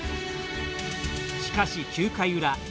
しかし、９回裏。